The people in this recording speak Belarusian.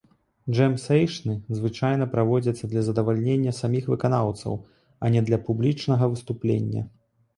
Джэм-сэйшны звычайна праводзяцца для задавальнення саміх выканаўцаў, а не для публічнага выступлення.